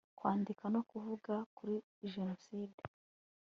kwandika no kuvuga kuri jenoside